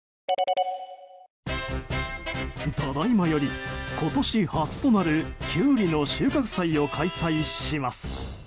ただいまより、今年初となるキュウリの収穫祭を開催します。